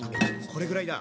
これぐらいだ。